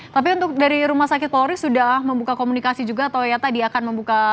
tapi untuk dari rumah sakit polri sudah membuka komunikasi juga atau ya tadi akan membuka